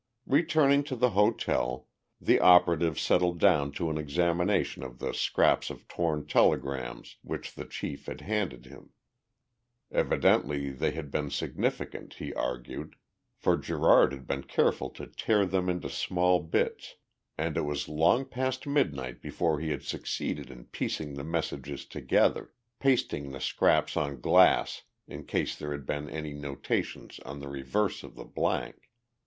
Returning to the hotel, the operative settled down to an examination of the scraps of torn telegrams which the chief had handed him. Evidently they had been significant, he argued, for Gerard had been careful to tear them into small bits, and it was long past midnight before he had succeeded in piecing the messages together, pasting the scraps on glass in case there had been any notations on the reverse of the blank.